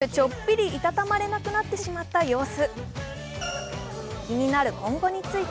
織田選手、ちょっぴりいたたまれなくなってしまった様子。